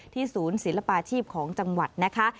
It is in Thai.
ศูนย์ศิลปาชีพของจังหวัดนะคะ